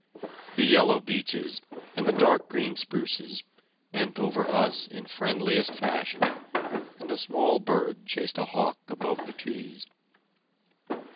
The yellow beeches and the dark green spruces bent over us in friendliest fashion, and a small bird chased a hawk above the trees.